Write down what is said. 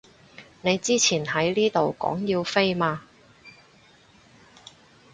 你之前喺呢度講要飛嘛